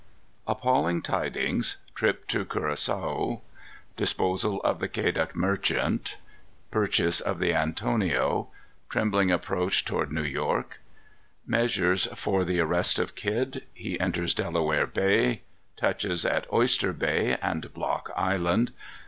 _ Appalling Tidings. Trip to Curacoa. Disposal of the Quedagh Merchant. Purchase of the Antonio. Trembling Approach toward New York. Measures for the Arrest of Kidd. He enters Delaware Bay. Touches at Oyster Bay and Block Island.